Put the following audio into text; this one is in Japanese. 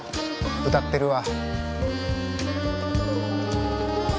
歌ってるわ。